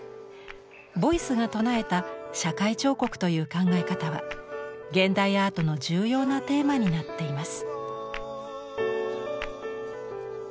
ボイスが唱えた社会彫刻という考え方は現代アートの重要なテーマになっています。